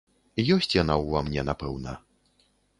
Ёсць яна ў ва мне, напэўна.